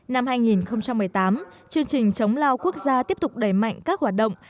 năm hai nghìn một mươi tám chương trình chống lao quốc gia tiếp tục đẩy mạnh các hoạt động